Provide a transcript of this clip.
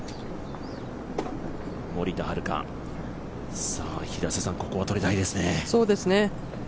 森田遥、ここはとりたいですね。